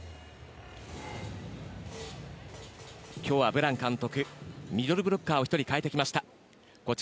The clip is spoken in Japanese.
ブラン監督はミドルブロッカーを変えてきました。